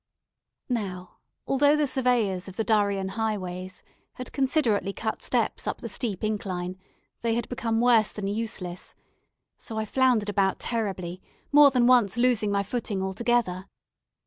Now, although the surveyors of the Darien highways had considerately cut steps up the steep incline, they had become worse than useless, so I floundered about terribly, more than once losing my footing altogether.